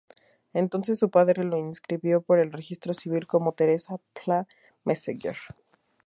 Entonces su padre lo inscribió en el registro civil como Teresa Pla Meseguer.